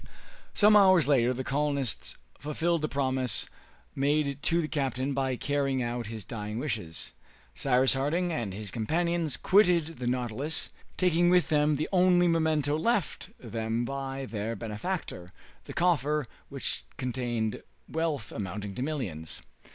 Some hours later the colonists fulfilled the promise made to the captain by carrying out his dying wishes. Cyrus Harding and his companions quitted the "Nautilus," taking with them the only memento left them by their benefactor, the coffer which contained wealth amounting to millions.